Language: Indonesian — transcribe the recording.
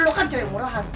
lo kan cari yang murahan